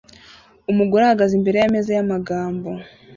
Umugore ahagaze imbere yameza yamagambo